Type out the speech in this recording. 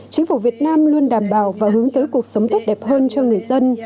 chính phủ việt nam luôn đảm bảo và hướng tới cuộc sống tốt đẹp hơn cho người dân